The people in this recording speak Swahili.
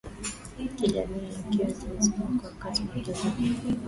kijamii ya kiutu uzima kwa wakati unaotazamiwa